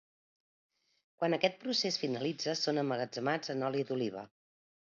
Quan aquest procés finalitza són emmagatzemats en oli d'oliva.